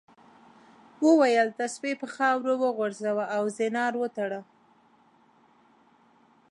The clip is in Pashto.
وویل تسبیح په خاورو وغورځوه او زنار وتړه.